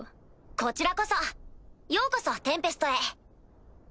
こちらこそようこそテンペストへ。